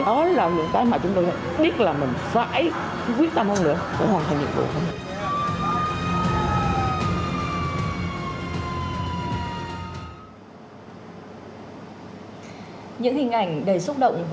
đó là những cái mà chúng tôi biết là mình phải quyết tâm hơn nữa để hoàn thành nhiệm vụ